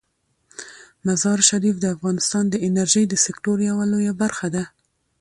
مزارشریف د افغانستان د انرژۍ د سکتور یوه لویه برخه ده.